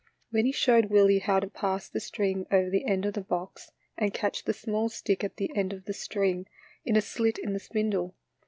Then he showed Willie how to pass the string over the end of the box and catch the small stick at the end of the string in a slit in the spindle.